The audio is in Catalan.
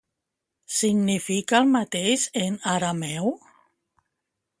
Significa el mateix en arameu?